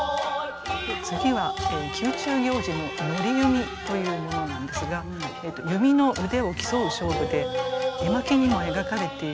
次は宮中行事の賭弓というものなんですが弓の腕を競う勝負で絵巻にも描かれている場面です。